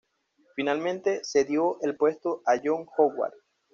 Finalmente cedió el puesto a John Howard.